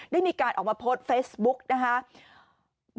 ได้มีการออกมาโพสต์เฟซบุ๊กนะคะ